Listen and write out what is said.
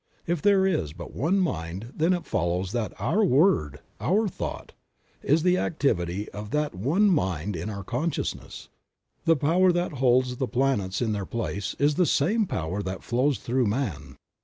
If there is but One Mind then it follows that our word, our thought is the activity of that One Mind in our consciousness; the power that holds the planets in their place is the same power that flows through man.